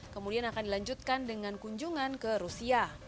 kemudian akan dilanjutkan dengan kunjungan ke rusia